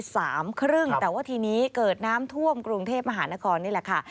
สามครึ่งแต่ว่าทีนี้เกิดน้ำท่วมกรุงเทพมหานครนี่แหละค่ะ